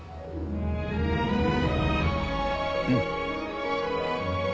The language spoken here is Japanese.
うん。